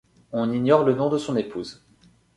On ignore le nom de son épouse.